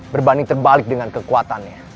berbanding terbalik dengan kekuatannya